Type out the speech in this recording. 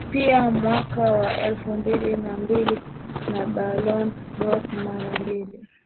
Pia mwaka wa elfu mbili na mbili na Ballon dOr mara mbili